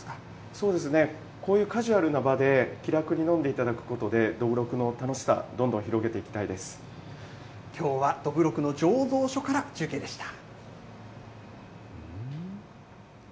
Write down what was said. そうですね、こういうカジュアルな場で、気楽に飲んでいただくことで、どぶろくの楽しさ、どんどん広げてきょうはどぶろくの醸造所から中継でした。